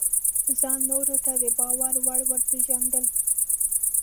ځان نورو ته د باور وړ ورپېژندل: